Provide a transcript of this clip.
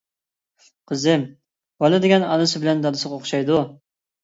-قىزىم، بالا دېگەن ئانىسى بىلەن دادىسىغا ئوخشايدۇ.